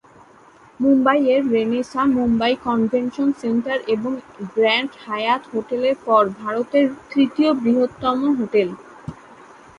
মুম্বাই এর "renaissance Mumbai convention centre" এবং "grand Hyatt" হোটেলের পর ভারতের তৃতীয় বৃহত্তম হোটেল।